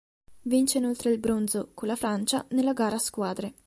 Vince inoltre il bronzo con la Francia nella gara a squadre.